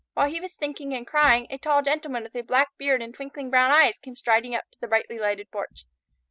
While he was thinking and crying, a tall Gentleman with a black beard and twinkling brown eyes came striding up to the brightly lighted porch.